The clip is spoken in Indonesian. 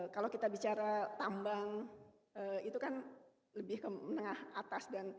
kalau kita bicara tambang itu kan lebih ke menengah atas